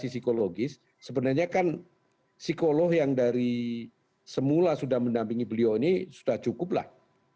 psikologis sebenarnya kan psikolog yang dari semula sudah mendampingi beliau ini sudah cukup lah